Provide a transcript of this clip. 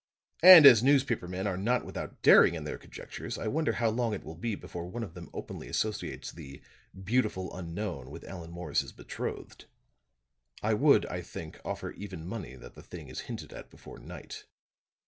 And as newspaper men are not without daring in their conjectures, I wonder how long it will be before one of them openly associates the 'beautiful unknown' with Allan Morris' betrothed. I would, I think, offer even money that the thing is hinted at before night."